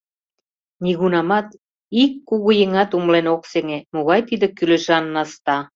Нигунамат ик кугыеҥат умылен ок сеҥе, могай тиде кӱлешан наста!